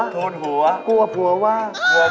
กลัวผมว่า